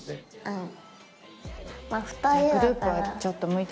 うん。